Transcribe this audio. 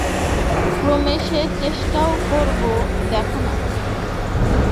ক্রমে সে চেষ্টাও করব, দেখ না।